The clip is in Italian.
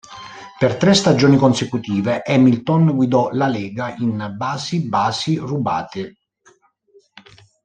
Per tre stagioni consecutive, Hamilton guidò la lega in basi basi rubate.